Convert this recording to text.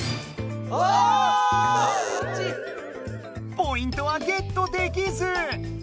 ポイントはゲットできず。